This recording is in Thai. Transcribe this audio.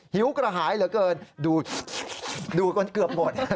หิวกระหายเหลือเกินดูกันเกือบหมด